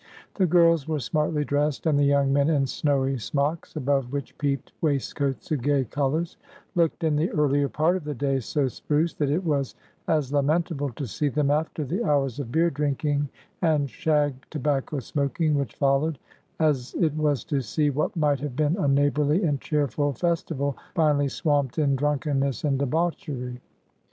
The girls were smartly dressed, and the young men in snowy smocks, above which peeped waistcoats of gay colors, looked in the earlier part of the day so spruce, that it was as lamentable to see them after the hours of beer drinking and shag tobacco smoking which followed, as it was to see what might have been a neighborly and cheerful festival finally swamped in drunkenness and debauchery.